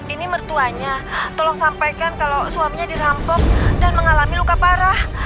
ini mertuanya tolong sampaikan kalau suaminya dirampok dan mengalami luka parah